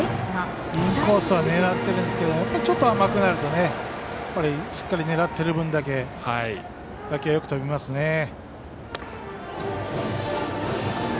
インコースは狙ってるんですけどやっぱりちょっと甘くなるとしっかり狙ってる分だけ打球はよく飛びますね。